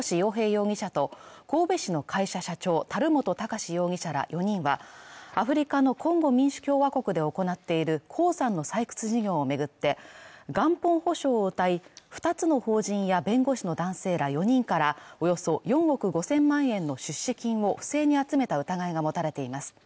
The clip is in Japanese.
容疑者と神戸市の会社社長樽本貴司容疑者ら４人はアフリカのコンゴ民主共和国で行っている鉱山の採掘事業を巡って元本保証をうたい２つの法人や弁護士の男性ら４人からおよそ４億５０００万円の出資金を不正に集めた疑いが持たれています